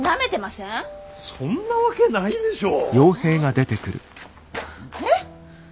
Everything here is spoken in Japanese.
そんなわけないでしょう。はあ？え？